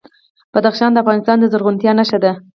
بدخشان د افغانستان د زرغونتیا نښه ده.